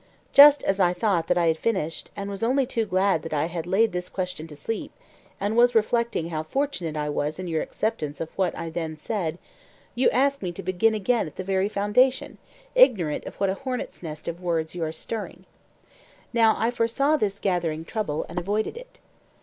Just as I thought that I had finished, and was only too glad that I had laid this question to sleep, and was reflecting how fortunate I was in your acceptance of what I then said, you ask me to begin again at the very foundation, ignorant of what a hornet's nest of words you are stirring. Now I foresaw this gathering trouble, and avoided it.